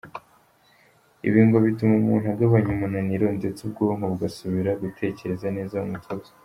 Ibi ngo bituma umuntu agabanya umunaniro ndetse ubwonko bugasubira gutekereza neza mu mutuzo.